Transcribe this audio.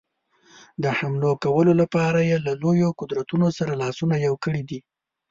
د حملو کولو لپاره یې له لویو قدرتونو سره لاسونه یو کړي دي.